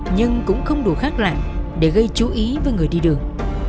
nhưng cũng không đủ khác lại để gây chú ý với người đi đường